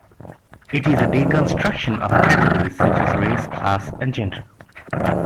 It is a deconstruction of categories such as race, class, and gender.